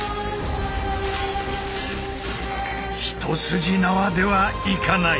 一筋縄ではいかない！